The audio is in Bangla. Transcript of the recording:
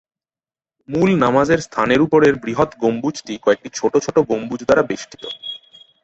মূল নামাজের স্থানের উপরের বৃহৎ গম্বুজটি কয়েকটি ছোট ছোট গম্বুজ দ্বারা বেষ্টিত।